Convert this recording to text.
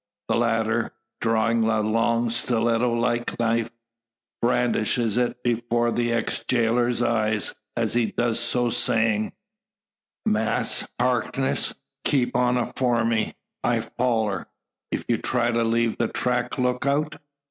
The latter, drawing a long stiletto like knife, brandishes it before the ex jailer's eyes, as he does so, saying: "Mass Harkness; keep on afore me; I foller. If you try leave the track look out.